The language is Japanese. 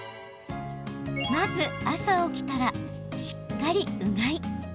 まず朝起きたら、しっかりうがい。